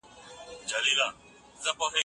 که وخت لرې نو خپله مقاله بشپړه کړه.